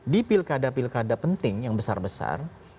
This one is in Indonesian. di pilkada pilkada penting yang besar besar